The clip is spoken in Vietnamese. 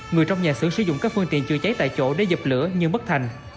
người trong nhà xưởng sử dụng các phương tiện chữa cháy tại chỗ để dập lửa nhưng bất thành